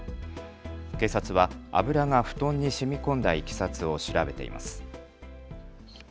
警察は油が布団にしみこんだいきさつを調べています。